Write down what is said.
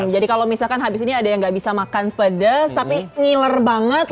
jadi kalau misalkan habis ini ada yang gak bisa makan pedas tapi ngiler banget